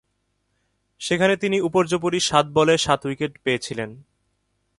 সেখানে তিনি উপর্যুপরি সাত বলে সাত উইকেট পেয়েছিলেন।